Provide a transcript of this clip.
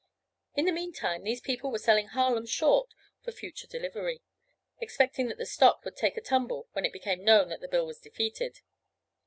In the meantime these people were selling Harlem short for future delivery, expecting that the stock would "take a tumble" when it became known that the bill was defeated.